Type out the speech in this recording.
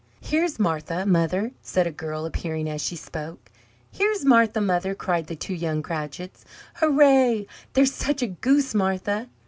"Here's Martha, mother!" said a girl, appearing as she spoke. "Here's Martha, mother!" cried the two young Cratchits. "Hurrah! There's such a goose, Martha!"